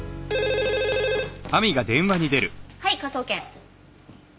はい科捜研。